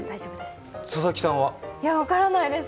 分からないです。